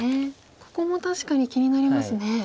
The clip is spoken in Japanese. ここも確かに気になりますね。